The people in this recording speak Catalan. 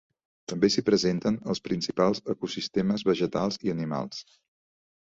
També s'hi presenten els principals ecosistemes vegetals i animals.